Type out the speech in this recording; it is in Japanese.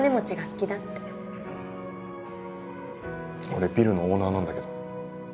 俺ビルのオーナーなんだけど。